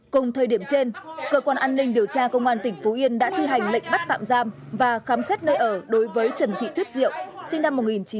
cùng thời điểm trên cơ quan an ninh điều tra công an tỉnh phú yên đã thi hành lệnh bắt tạm giam và khám xét nơi ở đối với trần thị tuyết diệu sinh năm một nghìn chín trăm tám mươi